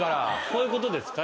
こういうことですか？